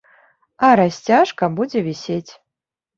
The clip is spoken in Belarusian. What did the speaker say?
А расцяжка будзе вісець!